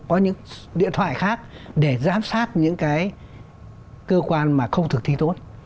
có những điện thoại khác để giám sát những cái cơ quan mà không thực thi tốt